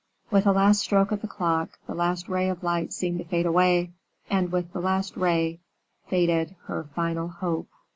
With the last stroke of the clock, the last ray of light seemed to fade away; and with the last ray faded her final hope.